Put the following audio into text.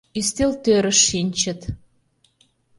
Ӱстелтӧрыш шинчыт.